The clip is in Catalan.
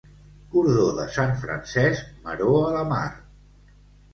Cordó de Sant Francesc, maror a la mar.